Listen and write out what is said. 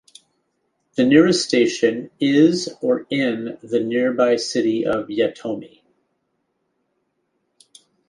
The nearest station is or in the nearby city of Yatomi.